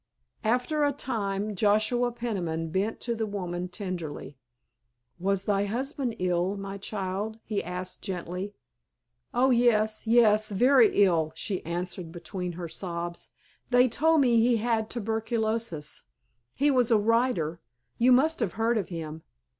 After a time Joshua Peniman bent to the woman tenderly. "Was thy husband ill, my child?" he asked gently. "Oh yes, yes, very ill," she answered between her sobs. "They told me he had tuberculosis. He was a writer. You must have heard of him.